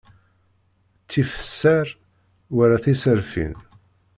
Ttif sser wala tiserfin.